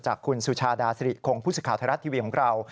คุณสุชาดาสิริคงผู้สื่อข่าวไทยรัฐทีวีของเรา